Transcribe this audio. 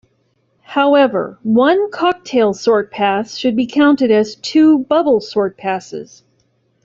However one cocktail sort pass should be counted as two bubble sort passes.